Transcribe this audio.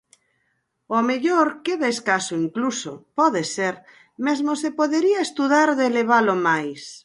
Ao mellor, queda escaso incluso, pode ser, mesmo se podería estudar de elevalo máis.